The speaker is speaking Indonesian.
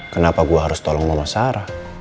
kenapa gue harus tolong mama sarah